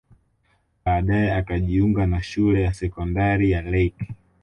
Baadae akajiunga na shule ya sekondari ya Lake